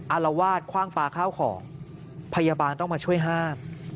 อารวาสคว่างปลาข้าวของพยาบาลต้องมาช่วยห้าม